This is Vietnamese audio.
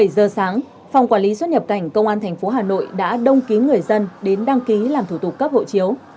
bảy giờ sáng phòng quản lý xuất nhập cảnh công an tp hà nội đã đông kín người dân đến đăng ký làm thủ tục cấp hộ chiếu